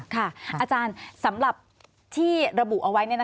อาจารย์สำหรับที่ระบุเอาไว้